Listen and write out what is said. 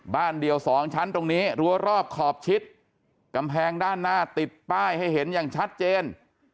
บ้านเดียวสองชั้นตรงนี้รั้วรอบขอบชิดกำแพงด้านหน้าติดป้ายให้เห็นอย่างชัดเจน